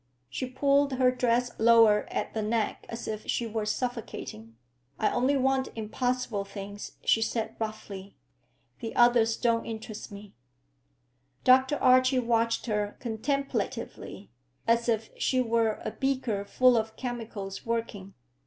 She pulled her dress lower at the neck as if she were suffocating. "I only want impossible things," she said roughly. "The others don't interest me." Dr. Archie watched her contemplatively, as if she were a beaker full of chemicals working.